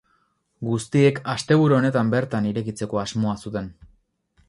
Guztiek asteburu honetan bertan irekitzeko asmoa zuten.